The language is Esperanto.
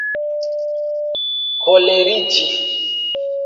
koleriĝi